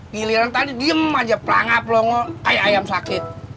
giliran tadi diem aja pelangap lo kayak ayam sakit